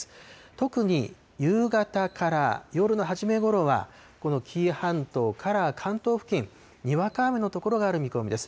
特に夕方から夜の初めごろは、この紀伊半島から関東付近、にわか雨の所がある見込みです。